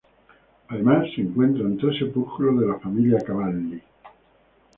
Además se encuentran tres sepulcros de la familia Cavalli.